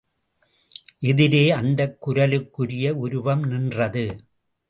எதிரே அந்தக் குரலுக்குரிய உருவம் நின்றது.